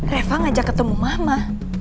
reva ngajak ketemu mama